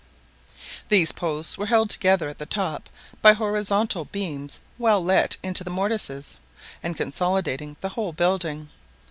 These posts were held together at the top by horizontal beams well let into the mortises, and consolidating the whole building.